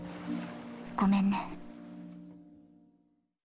ごめんね。